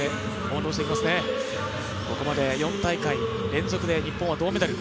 ここまで４大会連続で日本は銅メダル。